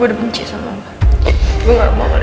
energia juga yang kurang model